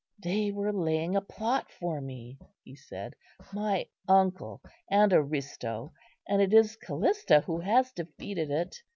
"They were laying a plot for me," he said, "my uncle and Aristo; and it is Callista who has defeated it."